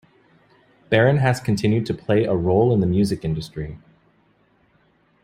Baron has continued to play a role in the music industry.